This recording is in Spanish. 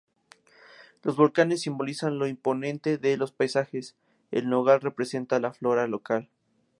Los volcanes simbolizan lo imponente de los paisajes; el nogal representa la flora local.